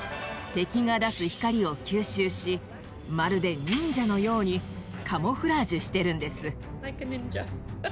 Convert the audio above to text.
敵が出す光を吸収しまるで忍者のようにカモフラージュしてるんです。